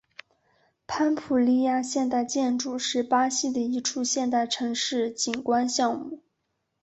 潘普利亚现代建筑是巴西的一处现代城市景观项目。